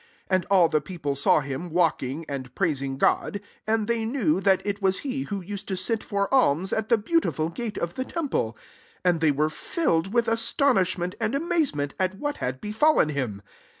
9 And all Che people saw him walking, and praising God; 10 and they knew that it was he who used to sit for alms at the Beautiful gate of the temple : and they were filled with astonishment and amazement at what had befallen him.